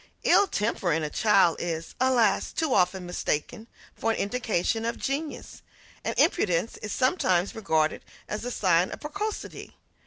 Ill temper in a child is, alas! too often mistaken for an indication of genius; and impudence is sometimes regarded as a sign of precocity.